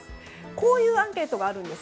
こういうアンケートがあるんです。